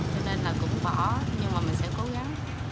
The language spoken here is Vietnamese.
cho nên là cũng bỏ nhưng mà mình sẽ cố gắng